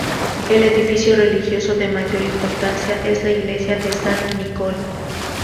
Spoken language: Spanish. El edificio religioso de mayor importancia es la iglesia de San Nicola.